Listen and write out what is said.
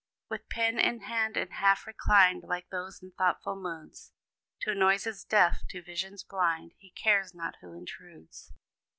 With pen in hand, and half reclined, Like those in thoughtful moods; To noises deaf, to visions blind, He cares not who intrudes.